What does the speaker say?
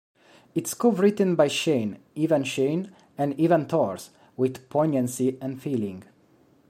It's co-written by Shane, Ivan Shane and Ivan Tors with poignancy and feeling.